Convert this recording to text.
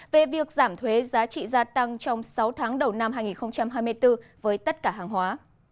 về việc giảm thuế giá trị gia tăng trong sáu tháng đầu năm hai nghìn hai mươi bốn với tất cả hàng hóa